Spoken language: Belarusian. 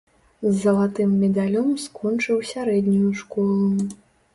З залатым медалём скончыў сярэднюю школу.